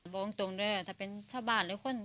บอกตรงเลยว่าถ้าเป็นชาวบ้านหรือคน